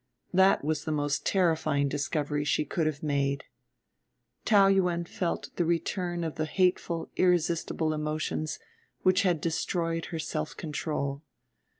That was the most terrifying discovery she could have made. Taou Yuen felt the return of the hateful irresistible emotions which had destroyed her self control.